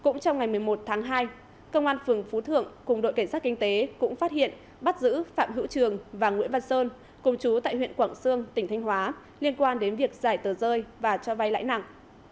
ngày một mươi một tháng hai năm hai nghìn hai mươi ba công an phường phú thượng cùng đội cảnh sát kinh tế cũng phát hiện bắt giữ phạm hữu trường và nguyễn văn sơn cùng chú tại huyện quảng sương tỉnh thanh hóa liên quan đến việc giải tờ rơi và cho vay lãi nặng